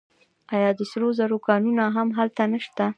آیا د سرو زرو کانونه هم هلته نشته؟